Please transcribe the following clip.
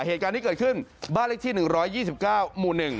เหตุการณ์ที่เกิดขึ้นบ้านเลขที่๑๒๙หมู่๑